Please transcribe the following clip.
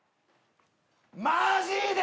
マジで！？